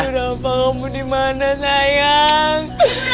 ibu ranti kamu dimana sayang